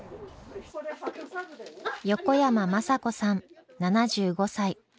横山眞佐子さん７５歳。